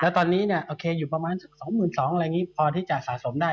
แล้วตอนนี้เนี่ยโอเคอยู่ประมาณ๒๒๐๐อะไรอย่างนี้พอที่จะสะสมได้